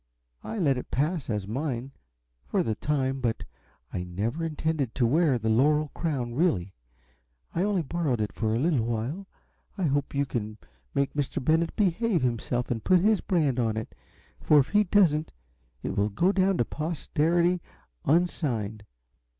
I let it pass as mine, for the time, but I never intended to wear the laurel crown, really. I only borrowed it for a little while. I hope you can make Mr. Bennett behave himself and put his brand on it, for if he doesn't it will go down to posterity unsigned.